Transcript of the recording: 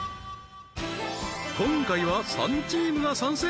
今回は３チームが参戦！